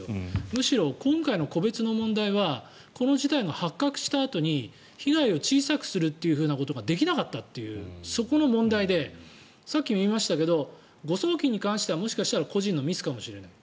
むしろ今回の個別の問題はこの事態が発覚したあとに被害を小さくするということができなかったというそこの問題でさっきも言いましたが誤送金に関してはもしかしたら個人のミスかもしれない。